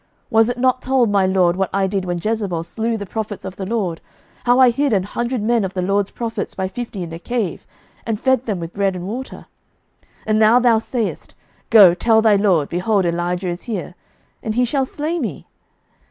11:018:013 Was it not told my lord what I did when Jezebel slew the prophets of the LORD, how I hid an hundred men of the LORD's prophets by fifty in a cave, and fed them with bread and water? 11:018:014 And now thou sayest, Go, tell thy lord, Behold, Elijah is here: and he shall slay me.